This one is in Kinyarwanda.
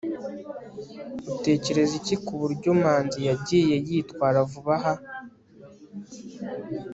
utekereza iki ku buryo manzi yagiye yitwara vuba aha